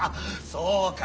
そうか。